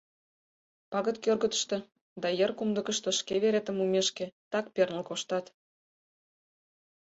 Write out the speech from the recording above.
Пагыт кӧргыштӧ да йыр кумдыкышто шке веретым мумешке, так перныл коштат.